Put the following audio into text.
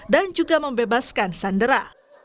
dan juga membebaskan sandera